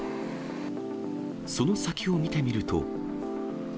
その先を見てみると。